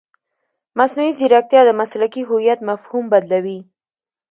مصنوعي ځیرکتیا د مسلکي هویت مفهوم بدلوي.